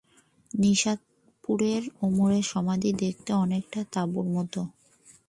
নিশাপুরে ওমরের সমাধি দেখতে অনেকটা তাঁবুর মতো।